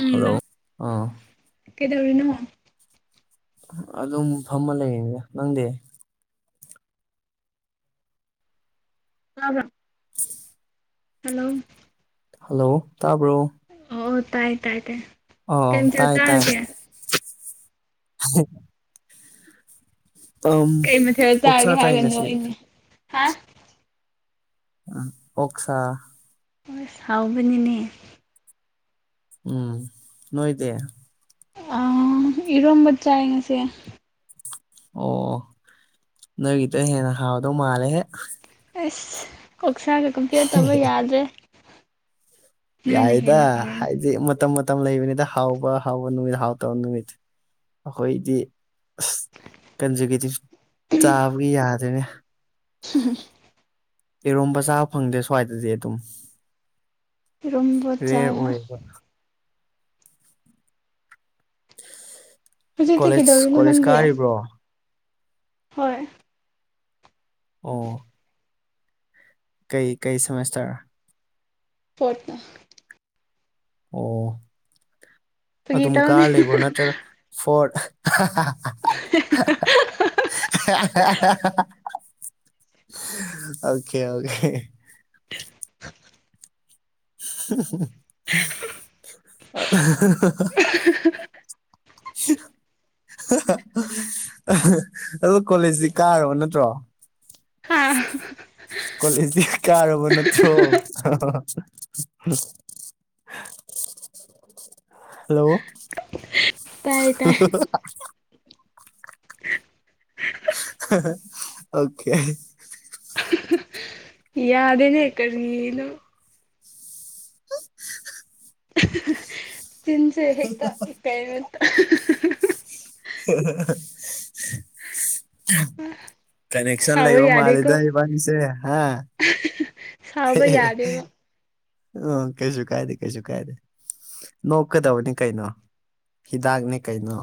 ꯎꯝ hello ꯂꯣ ꯑꯥ ꯀꯩꯗꯧꯔꯤꯅꯣ ꯑꯗꯨꯝ ꯐꯝꯃ ꯂꯩꯔꯤꯅꯤꯗ ꯅꯪꯗꯤ ꯇꯕꯔ‌ꯣ ꯍꯜꯂꯣ ꯍꯂꯣ ꯇꯥꯕ꯭ꯔꯣ ꯑꯣ ꯇꯥꯏ ꯇꯥꯏ ꯀꯩ ꯑꯥꯎ ꯃꯊꯦꯜ ꯇꯥꯏ ꯇꯥꯏ ꯆꯥꯔꯒꯦ [unintelligible] ꯎꯝ ꯀꯩ ꯃꯊꯦꯜ ꯑꯣꯛꯁꯥ ꯆꯥꯔꯒꯦ ꯆꯥꯏ ꯍꯥꯏꯒ ꯉꯁꯤ ꯅꯣꯛꯏꯅꯦ ꯍꯥ ꯎꯝ ꯑꯣꯛꯁꯥ [unintelligible] ꯍꯥꯎꯕꯅꯤꯅꯦ ꯎꯝ ꯅꯣꯏꯗ‌ꯦ ꯑꯥ ꯏꯔꯣꯝꯕ ꯆꯥꯏ ꯉꯁꯤ ꯑꯣ ꯅꯣꯏꯒꯤꯇ ꯍꯦꯟꯅ ꯍꯥꯎꯗꯧ ꯃꯥꯜꯂꯦꯍꯦ ꯑꯁ ꯀꯥꯛꯁꯥꯒ ꯀꯝꯄꯤꯌꯔ ꯇꯧꯕ ꯌꯥꯗ꯭ꯔꯦ ꯅꯣꯏꯅ ꯌꯥꯏꯗ ꯍꯦꯟꯅ ꯍꯥꯎꯔꯅꯤ ꯍꯥꯏꯗꯤ ꯃꯇꯝ ꯃꯇꯝ ꯂꯩꯕꯅꯤꯗ ꯍꯥꯎꯕ ꯍꯥꯎꯕ ꯅꯨꯃꯤꯠ ꯍꯥꯎꯇꯕ ꯅꯨꯃꯤꯠ ꯑꯈꯣꯏꯗꯤ ꯑꯁ ꯀꯟꯖꯨꯒꯦꯇꯤꯐ ꯆꯥꯕꯒꯤ ꯌꯥꯗ꯭ꯔꯦꯅꯦ ꯍꯝꯨꯝ ꯏꯔꯣꯝꯕ ꯆꯥ ꯐꯪꯗꯦ ꯁ꯭ꯋꯥꯏꯗꯗꯤ ꯑꯗꯨꯝ ꯏꯔꯣꯝꯕ ꯆꯥꯏ ꯔꯦꯌꯔ ꯍꯥ ꯑꯣꯏꯌꯦꯕ ꯍꯧꯖꯤꯛꯇꯤ ꯀꯣꯂꯦꯖ ꯀꯩꯗꯧꯔꯤꯅꯣ ꯀꯣꯂꯦꯖ ꯅꯪꯗꯤ ꯀꯥꯔꯤꯕ꯭ꯔꯣ ꯍꯣꯏ ꯑꯣ ꯀꯩ ꯀꯩ ꯁꯦꯃꯦꯁꯇꯔ ꯐꯣꯔꯠꯇ ꯑꯣ ꯐꯥꯒꯤ ꯑꯗꯨꯝ ꯇꯧꯅꯦ ꯀꯥꯔ ꯂꯩꯕ꯭ꯔꯣ ꯅꯠꯇ꯭ꯔꯒ ꯐꯣꯔꯠ [unintelligible] [unintelligible] [unintelligible] ꯈꯦꯜ [unintelligible] [inaudible] [unintelligible] [unintelligible] [unintelligible] ꯑꯗꯨ ꯀꯣꯂꯦꯖꯗꯤ ꯀꯥꯔꯕ ꯅꯠꯇ꯭ꯔꯣ ꯍꯥ [unintelligible] ꯀꯣꯂꯦꯖꯗꯤ ꯀꯥꯔꯕ ꯅꯠꯇ꯭ꯔꯣ [unintelligible] [inaudible] ꯍꯜꯂꯣ ꯇꯥꯏꯌꯦ ꯇꯥꯏ [unintelligible] [unintelligible] [unintelligible] ꯑꯣꯀꯦ [unintelligible] ꯌꯥꯗꯦꯅꯦ ꯀꯔꯤꯅꯣ [unintelligible] [unintelligible] ꯆꯤꯟꯁꯦ ꯍꯦꯛꯇ ꯀꯩꯅꯣ [unintelligible] [unintelligible] ꯀꯅꯦꯛꯁꯟ ꯁꯥꯎꯕ ꯂꯩꯕ ꯌꯥꯗꯦꯀꯣ ꯃꯥꯜꯂꯤꯗ ꯏꯕꯥꯅꯤꯁꯦ ꯍꯥ ꯁꯥꯥꯎꯕ ꯌꯥꯗꯦꯕ ꯎꯝ ꯀꯩꯁꯨ ꯀꯥꯏꯗꯦ ꯀꯩꯁꯨ ꯀꯥꯏꯗꯦ ꯅꯣꯛꯀꯗꯕꯅꯤ ꯀꯩꯅꯣ ꯍꯤꯗꯥꯛꯅꯤ ꯀꯩꯅꯣ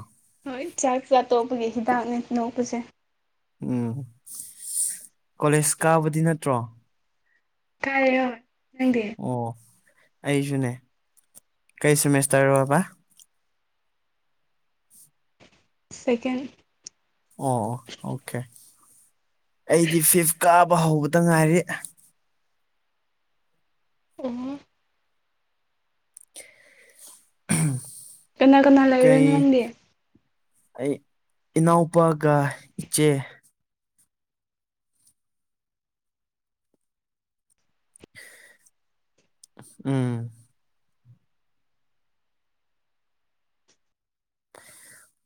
ꯍꯣꯏ ꯆꯥꯛ ꯆꯥ ꯇꯣꯛꯄꯒꯤ ꯍꯤꯗꯥꯛꯅꯦ ꯅꯣꯛꯄꯁꯦ ꯎꯝ ꯀꯣꯂꯦꯖ ꯀꯥꯕꯗꯤ ꯅꯠꯇ꯭ꯔꯣ ꯀꯥꯢꯌꯦ ꯍꯣꯏ ꯅꯪꯗꯤ ꯑꯣ ꯑꯩꯁꯨꯅꯦ ꯀꯩ ꯁꯦꯃꯦꯁꯇꯔꯔꯣꯕ ꯁꯦꯀꯦꯟ ꯑꯣ ꯑꯣꯀꯦ ꯑꯩꯗꯤ ꯐꯤꯐ ꯀꯥꯕ ꯍꯧꯕꯗ ꯉꯥꯏꯔꯤ ꯎꯝ [unintelligible] ꯀꯅꯥ ꯀꯅꯥ ꯀꯩ ꯂꯩꯔꯤꯅꯣ ꯅꯪꯗꯤ ꯑꯩ ꯏꯅꯥꯎꯄꯥꯒ ꯏꯆꯦ ꯎꯝ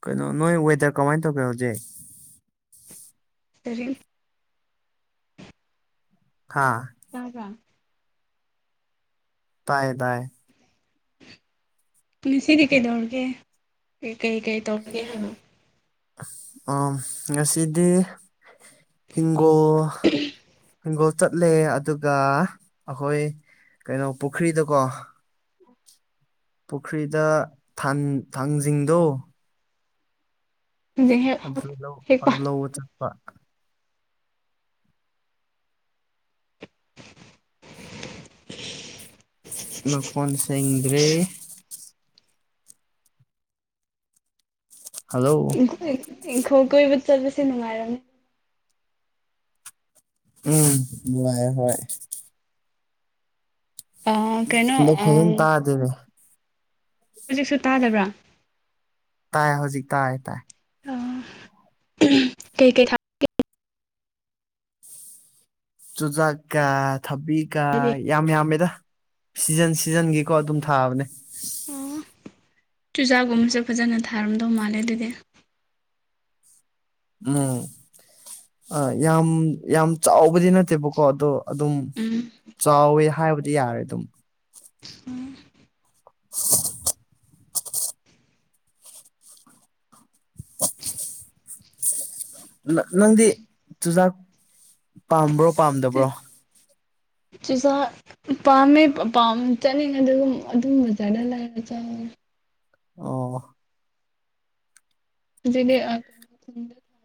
ꯀꯩꯅꯣ ꯅꯣꯏ ꯋꯦꯗꯔ ꯀꯃꯥꯏ ꯇꯧꯒꯦ ꯍꯧꯖꯤꯛ [unintelligible] ꯍꯥꯥ ꯇꯥꯕ꯭ꯔꯥ ꯇꯥꯏꯌꯦ ꯇꯥꯏ ꯉꯁꯤꯗꯤ ꯀꯩꯗꯧꯔꯒꯦ ꯀꯩ ꯀꯩ ꯀꯩ ꯇꯧꯔꯒꯦ ꯍꯥꯏꯕ ꯑꯣ ꯉꯁꯤꯗꯤ ꯍꯤꯡꯒꯣꯜ ꯍꯤꯡꯒꯣꯜ ꯆꯠꯂꯦ ꯑꯗꯨꯒ ꯑꯩꯈꯣꯏ ꯀꯩꯅꯣ ꯄꯨꯈ꯭ꯔꯤꯗꯀꯣ ꯄꯨꯈ꯭ꯔꯤꯗ ꯊꯥꯟ ꯊꯥꯡꯖꯤꯡꯗꯣ ꯍꯧꯖꯤꯛ ꯍꯦꯛ ꯑꯗꯨ ꯂꯧ ꯍꯦꯛꯄ ꯂꯧꯕ ꯆꯠꯄ ꯃꯈꯣꯟ ꯁꯦꯡꯗ꯭ꯔꯦ ꯍꯜꯂꯣ ꯏꯪꯈꯣꯜ ꯀꯣꯏꯕ ꯆꯠꯄꯁꯦ ꯅꯨꯡꯉꯥꯏꯔꯝꯅꯤ ꯎꯝ ꯅꯨꯡꯉꯥꯏꯌꯦ ꯍꯣꯏ ꯑ ꯀꯩꯅꯣ [unintelligible] ꯑꯥ ꯐꯖꯟ ꯇꯥꯗꯦꯅꯦ ꯍꯧꯖꯤꯛꯁꯨ ꯇꯥꯗꯕ꯭ꯔꯥ ꯇꯥꯏ ꯍꯧꯖꯤꯛ ꯇꯥꯏ ꯇꯥꯏ ꯑ ꯎꯝ ꯀꯩ ꯀꯩ ꯊꯥ ꯆꯨꯖꯥꯛꯀꯥ ꯊꯕꯤꯀꯥ ꯊꯥꯔꯒꯦ ꯌꯥꯝ ꯌꯥꯝꯃꯦꯗ ꯁꯤꯖꯟ ꯁꯤꯖꯟꯒꯤꯀꯣ ꯑꯗꯨꯝ ꯊꯥꯕꯅꯦ ꯑꯣ ꯆꯨꯖꯥꯛꯒꯨꯝꯕꯁꯨ ꯐꯖꯅ ꯊꯥꯔꯝꯗꯧ ꯃꯥꯜꯂꯦ ꯑꯗꯨꯗꯤ ꯎꯝ ꯑ ꯌꯥꯝ ꯌꯥꯝ ꯆꯥꯎꯕꯗꯤ ꯅꯠꯇꯦꯕꯀꯣ ꯑꯗꯣ ꯑꯗꯨꯝ ꯎꯝ ꯆꯥꯎꯋꯦ ꯍꯥꯏꯕꯗꯤ ꯌꯥꯔꯦ ꯑꯗꯨꯝ [unintelligible] [unintelligible] ꯅ ꯅꯪꯗꯤ ꯆꯨꯖꯥꯛ ꯄꯥꯝꯕ꯭ꯔꯣ ꯆꯨ ꯄꯥꯝꯗꯕ꯭ꯔꯣ ꯆꯨꯖꯥꯛ ꯎꯝ ꯄꯥꯝꯃꯦ ꯄ ꯄꯥꯝ ꯆꯥꯅꯤꯡꯉꯦ ꯑꯗꯨꯒꯨꯝ ꯑꯗꯨꯝ ꯕꯖꯥꯔꯗ ꯂꯩꯔ ꯆꯥꯏ ꯑꯣ ꯍꯄꯖꯤꯛꯇꯤ ꯑ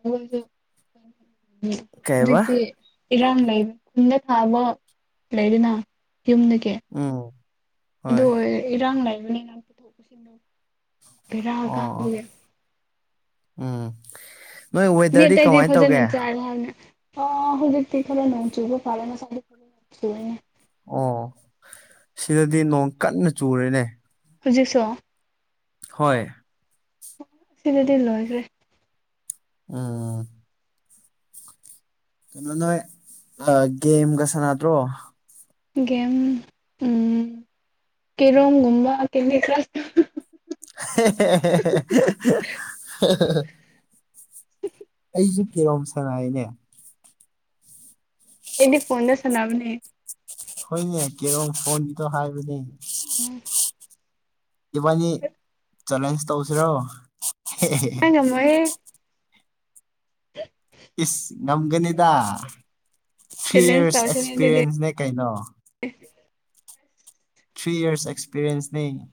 [unintelligible] ꯀꯩꯕ ꯍꯨꯖꯤꯛꯇꯤ ꯏꯔꯥꯡ ꯂꯩꯕ ꯈꯨꯟꯗ ꯊꯥꯕ ꯂꯩꯗꯅ ꯌꯨꯝꯗꯒꯤ ꯎꯝ ꯑꯗꯣ ꯍꯣꯏ ꯑꯣꯏ ꯏꯔꯥꯡ ꯂꯩꯕꯅꯤꯅ ꯄꯨꯊꯣꯛ ꯄꯨꯁꯤꯟꯗꯣ ꯕꯦꯔꯥ ꯑꯣ ꯑꯣ ꯀꯥꯕꯒꯤ ꯎꯝ ꯅꯣꯏ ꯃꯤ ꯋꯦꯗꯔꯗꯤ ꯑꯇꯩꯗꯤ ꯀꯃꯥꯏꯅ ꯇꯧꯒꯦ ꯐꯖꯅ ꯆꯥꯔꯦ ꯍꯥꯏꯅ ꯑꯣ ꯍꯧꯖꯤꯛꯇꯤ ꯈꯔ ꯅꯣꯡ ꯆꯨꯕ ꯐꯔꯦ ꯉꯁꯥꯏꯗꯤ ꯐꯖꯅ ꯆꯨꯔꯦꯅꯦ ꯑꯣ ꯁꯤꯗꯗꯤ ꯅꯣꯡ ꯀꯟꯅ ꯆꯨꯔꯦꯅꯦ ꯍꯧꯖꯤꯛꯁꯨ ꯍꯣꯏ ꯁꯤꯗꯗꯤ ꯂꯣꯏꯈ꯭ꯔꯦ ꯎꯝ ꯀꯩꯅꯣ ꯅꯣꯏ ꯑ ꯒꯦꯝꯒ ꯁꯥꯟꯅꯗ꯭ꯔꯣ ꯒꯦꯝ ꯎꯝ ꯀꯦꯔꯣꯝꯒꯨꯝꯕꯥ ꯀꯦꯟꯗꯤ ꯀ꯭ꯔꯁ ꯍꯦ ꯍꯦ ꯍꯦ ꯍꯦ ꯍꯍ ꯍ ꯑꯩꯖꯨ ꯀꯦꯔꯣꯝ ꯁꯥꯟꯅꯩꯅꯦ ꯑꯩꯗꯤ ꯐꯣꯟꯗ ꯁꯟꯅꯕꯅꯦ ꯍꯣꯏꯅꯦ ꯀꯦꯔꯣꯝ ꯐꯣꯟꯒꯤꯗꯣ ꯍꯥꯏꯕꯅꯦ ꯏꯕꯥꯅꯤ ꯆꯦꯂꯦꯟꯖ ꯇꯧꯁꯤꯔꯣ ꯍꯦ ꯍꯦ ꯍꯦ ꯉꯝꯃꯣꯏꯌꯦ [inaudible] ꯏꯁ ꯉꯝꯒꯅꯤꯗ ꯊ꯭ꯔꯤ ꯆꯦꯂꯦꯟꯖ ꯏꯔꯁ ꯇꯧꯁꯤꯅꯦ ꯑꯗꯨꯗꯤ ꯑꯦꯛꯁꯄꯤꯔꯤꯌꯦꯟꯁꯅꯦ ꯀꯩꯅꯣ ꯊ꯭ꯔꯤ ꯏꯔꯁ ꯑꯦꯛꯁꯄꯤꯔꯤꯌꯦꯟꯁꯅꯦ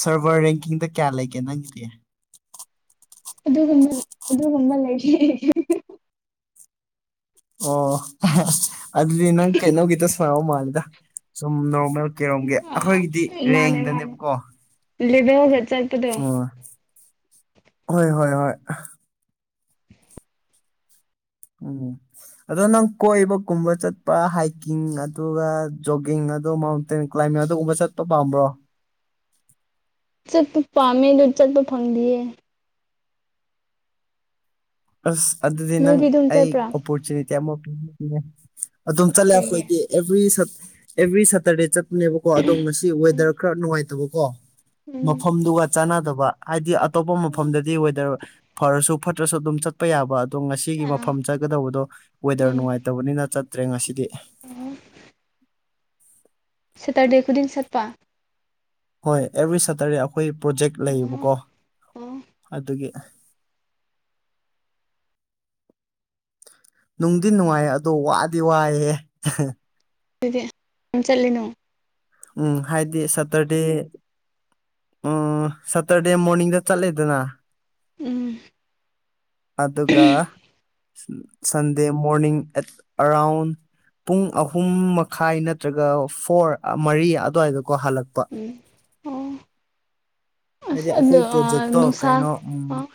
ꯁꯔꯚꯔ ꯔꯦꯡꯀꯤꯡꯗ ꯀꯌꯥ ꯂꯩꯒꯦ ꯅꯪꯒꯤꯗꯤ ꯑꯗꯨꯒꯨꯝꯕ ꯑꯗꯨꯒꯨꯝꯕ ꯂꯩꯇꯦ ꯑꯣ ꯑꯗꯨꯗꯤ ꯅꯪ ꯀꯩꯅꯣꯒꯤꯇ ꯁꯟꯅꯕ ꯃꯥꯜꯂꯤꯗ ꯁꯨꯝ ꯅꯣꯔꯃꯦꯜ ꯀꯦꯔꯣꯝꯒꯤ ꯑꯈꯣꯏꯒꯤꯗꯤ ꯔꯦꯡꯗꯅꯦꯕꯀꯣ ꯂꯤꯕꯦꯜꯗ ꯆꯠ ꯑꯣ ꯍꯣꯏ ꯍꯣꯏ ꯍꯣꯏ ꯎꯝ ꯑꯗꯣ ꯅꯪ ꯀꯣꯏꯕ ꯀꯨꯝꯕ ꯆꯠꯄ ꯍꯥꯏꯛꯀꯤꯡ ꯑꯗꯨꯒ ꯖꯣꯒꯤꯡ ꯑꯗꯣ ꯃꯥꯎꯟ ꯇꯦꯟ ꯀ꯭ꯂꯥꯏꯃꯦꯠ ꯑꯗꯨꯒꯨꯝꯕ ꯆꯠꯄ ꯄꯥꯝꯕ꯭ꯔꯣ ꯆꯠꯄ ꯄꯥꯝꯃꯦ ꯑꯗꯨ ꯆꯠꯄ ꯐꯪꯗꯤꯌꯦ ꯑꯁ ꯑꯗꯨꯗꯤ ꯅꯪ ꯅꯣꯏꯗꯤ ꯑꯗꯨꯝ ꯑꯩ ꯆꯠꯄ꯭ꯔꯥ ꯑꯣꯄꯣꯔꯆꯨꯅꯤꯇꯤ ꯑꯃ ꯄꯤꯕꯤꯒꯦꯅꯦ ꯑꯗꯨꯝ ꯆꯠꯂꯦ ꯀꯩꯒꯤ ꯑꯩꯈꯣꯏꯗꯤ ꯑꯦꯕ꯭ꯔꯤ ꯁꯠ ꯑꯦꯕ꯭ꯔꯤ ꯁꯇꯔꯗꯦ ꯆꯠ ꯅꯦꯕꯀꯣ ꯑꯗꯣ ꯉ ꯎꯝ ꯋꯦꯗꯔ ꯈꯔ ꯅꯨꯡꯉꯥꯏꯇꯕꯀꯣ ꯎꯝ ꯃꯐꯝꯗꯨꯒ ꯆꯥꯟꯅꯗꯕ ꯍꯥꯏꯗꯤ ꯑꯇꯣꯞꯄ ꯃꯐꯝꯗꯗꯤ ꯋꯦꯗꯔ ꯐꯔꯁꯨ ꯐꯠꯇ꯭ꯔꯁꯨ ꯑꯗꯨꯝ ꯆꯠꯄ ꯌꯥꯕ ꯑꯗꯣ ꯉꯁꯤꯒꯤ ꯑꯥ ꯃꯐꯝ ꯆ ꯆꯠꯀꯗꯧꯕꯗꯣ ꯋꯦꯗꯔ ꯎꯝ ꯅꯨꯡꯉꯥꯏꯇꯕꯅꯤꯅ ꯆꯠꯇ꯭ꯔꯦ ꯉꯁꯤꯗꯤ ꯁꯦꯇꯔꯗꯦ ꯈꯨꯗꯤꯡ ꯆꯠꯄ ꯍꯣꯏ ꯑꯦꯕ꯭ꯔꯤ ꯁꯇꯔꯗꯦ ꯑꯩꯈꯣꯏ ꯄ꯭ꯔꯣꯖꯦꯛ ꯑꯣ ꯂꯩꯌꯦꯕꯀꯣ ꯑꯣ ꯑꯗꯨꯒꯤ [inaudible] ꯅꯨꯡꯗꯤ ꯅꯨꯡꯉꯥꯏ ꯑꯗꯣ ꯋꯥꯗꯤ ꯋꯥꯏꯍꯦ ꯑꯗꯨꯗꯤ ꯎꯝ ꯆꯠꯂꯅꯣ ꯎꯝ ꯍꯥꯏꯗꯤ ꯁꯇꯔꯗꯦ ꯎꯝ ꯁꯇꯔꯗꯦ ꯃꯣꯔꯅꯤꯡꯗ ꯆꯠꯂꯦꯗꯅ ꯎꯝ ꯑꯗꯨꯒ ꯁꯟꯗꯦ ꯃꯣꯔꯅꯤꯡ ꯑꯦꯠ ꯑꯔꯥꯎꯟ ꯄꯨꯡ ꯑꯍꯨꯝ ꯃꯈꯥꯏ ꯅꯠꯇ꯭ꯔꯒ ꯐꯣꯔ ꯃꯔꯤ ꯑꯗꯨꯋꯥꯏꯗꯀꯣ ꯍꯜꯂꯛꯄ ꯎꯝ ꯑꯣ ꯍꯥꯏꯗꯤ ꯑꯁ ꯑꯗꯣ ꯑꯩꯈꯣꯏ ꯑꯥ ꯄ꯭ꯔꯣꯖꯦꯛꯇꯣ ꯅꯨꯡꯁꯥ ꯀꯩꯅꯣ ꯎꯝ ꯑꯣ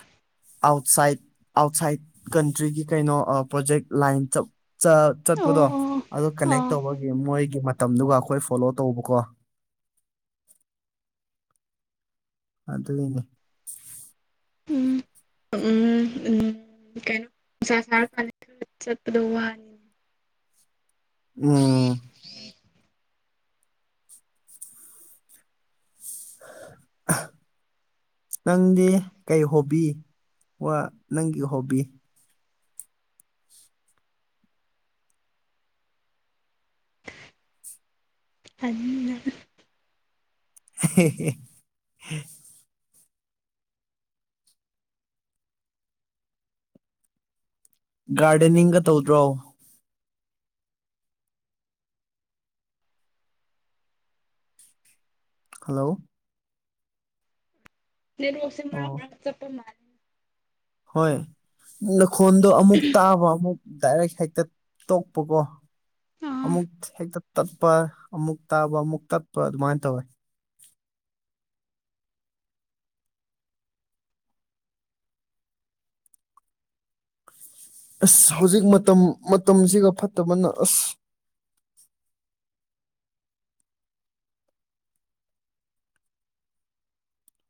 ꯑꯥꯎꯠꯁꯥꯏꯠ ꯑꯥꯎꯠꯁꯥꯏꯠ ꯀꯟꯇ꯭ꯔꯤꯒꯤ ꯀꯩꯅꯣ ꯄ꯭ꯔꯣꯖꯦꯛ ꯂꯥꯏꯟ ꯆꯞ ꯑꯣ ꯆꯠꯄꯗꯣ ꯑꯣ ꯑꯗꯨ ꯀꯅꯦꯛ ꯑꯣ ꯇꯧꯕꯒꯤ ꯃꯣꯏꯒꯤ ꯃꯇꯝꯗꯨꯒ ꯑꯩꯈꯣꯏ ꯐꯣꯂꯣ ꯇꯧꯕꯀꯣ ꯑꯗꯨꯒꯤꯅꯦ ꯎꯝ ꯎꯝ ꯎꯝ ꯀꯩꯅꯣ [inaudible] ꯎꯝ [inaudible] ꯅꯪꯗꯤ ꯀꯩ ꯍꯣꯕꯤ ꯋꯥ ꯅꯪꯒꯤ ꯍꯣꯕꯤ ꯑ [inaudible] ꯑꯍꯦꯍꯦ ꯒꯥꯔꯗꯦꯅꯤꯡꯒ ꯇꯧꯗ꯭ꯔꯣ ꯍꯜꯂꯣ ꯑꯣ [inaudible] ꯍꯣꯏ ꯅꯈꯣꯟꯗꯣ ꯑꯃꯨꯛ ꯇꯥꯕ ꯑꯃꯨꯛ ꯗꯥꯏꯔꯦꯛ ꯍꯦꯛꯇ ꯇꯣꯛꯄꯀꯣ ꯑꯥ ꯑꯃꯨꯛ ꯍꯦꯛꯇ ꯇꯠꯄ ꯑꯃꯨꯛ ꯇꯥꯕ ꯑꯃꯨꯛ ꯇꯠꯄ ꯑꯗꯨꯃꯥꯏꯅ ꯇꯧꯋꯦ ꯑꯁ ꯍꯧꯖꯤꯛ ꯃꯇꯝ ꯃꯇꯝꯁꯤꯒ ꯐꯠꯇꯕꯅ ꯑꯁ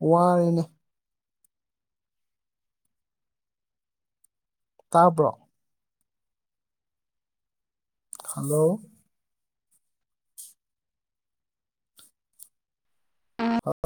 ꯋꯥꯔꯅꯦ ꯇꯥꯕ꯭ꯔꯣ ꯍꯂꯣ ꯍ [inaudible]